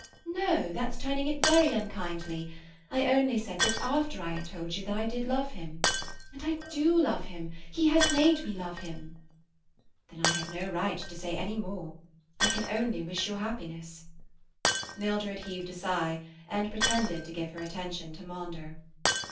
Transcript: "No; that's turning it very unkindly. I only said that after I had told you that I did love him. And I do love him. He has made me love him." "Then I have no right to say any more. I can only wish you happiness." Mildred heaved a sigh, and pretended to give her attention to Maunder.